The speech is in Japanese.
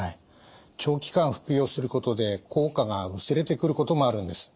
長期間服用することで効果が薄れてくることもあるんです。